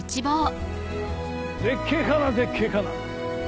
絶景かな絶景かな。